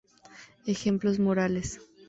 Ejemplos morales".